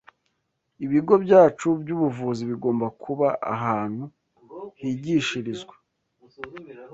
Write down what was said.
Ibigo byacu by’ubuvuzi bigomba kuba ahantu higishirizwa